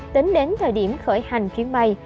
tính đến thời điểm khởi hành chuyến bay